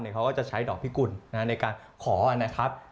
เขาก็จะใช้ดอกพิกุลในการขอนะครับ